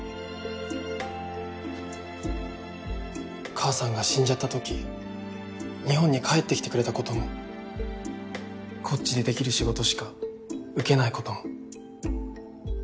母さんが死んじゃった時日本に帰ってきてくれた事もこっちでできる仕事しか受けない事も。